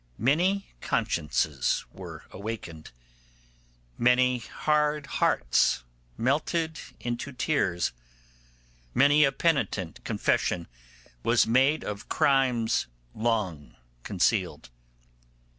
Many consciences were awakened; many hard hearts melted into tears; many a penitent confession was made of crimes long concealed.